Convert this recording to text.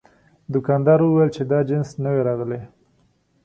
دوکاندار وویل چې دا جنس نوی راغلی.